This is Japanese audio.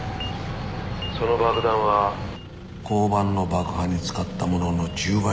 その爆弾は交番の爆破に使ったものの１０倍の威力がある。